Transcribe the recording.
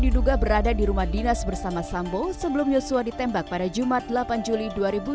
diduga berada di rumah dinas bersama sambo sebelum yosua ditembak pada jumat delapan juli dua ribu dua puluh